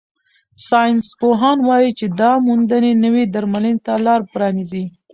ساینسپوهان وايي چې دا موندنې نوې درملنې ته لار پرانیزي.